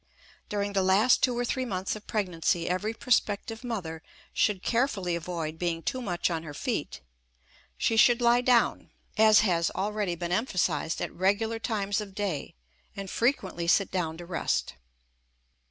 During the last two or three months of pregnancy every prospective mother should carefully avoid being too much on her feet; she should lie down, as has already been emphasized, at regular times of day and frequently sit down to rest.